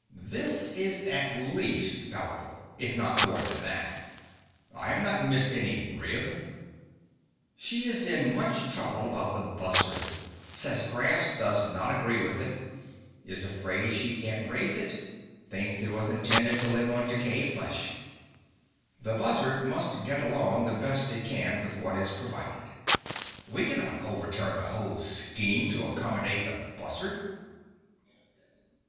This is at least doubtful, if not more than that. I have not missed any rib…. She is in much trouble about the buzzard; says grass does not agree with it; is afraid she can't raise it; thinks it was intended to live on decayed flesh. The buzzard must get along the best it can with what is provided. We cannot overturn the whole scheme to accommodate the buzzard.